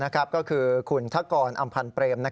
ก็คือคุณทกรอำพันธ์เปรม